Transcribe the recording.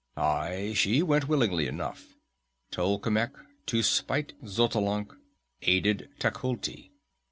Aye, she went willingly enough. Tolkemec, to spite Xotalanc, aided Tecuhltli.